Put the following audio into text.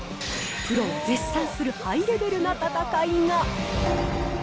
プロが絶賛するハイレベルな戦いが。